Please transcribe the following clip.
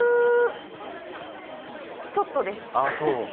８０ちょっとです。